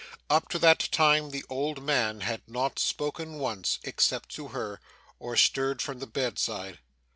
Up to that time, the old man had not spoken once except to her or stirred from the bedside.